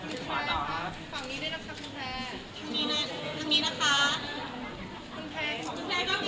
แต่เขาก็บ่ายเบียงมาตั้งแต่แรกแล้ว